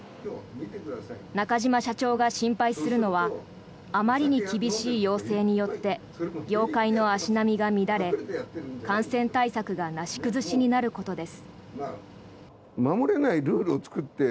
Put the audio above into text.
中島社長が心配するのはあまりに厳しい要請によって業界の足並みが乱れ、感染対策がなし崩しになることです。